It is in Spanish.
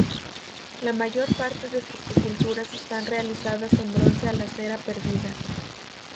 La mayor parte de sus esculturas están realizadas en bronce a la cera perdida.